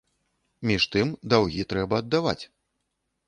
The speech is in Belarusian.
Між тым, даўгі трэба аддаваць.